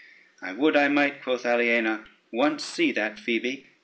] "I would I might," quoth Aliena, "once see that Phoebe.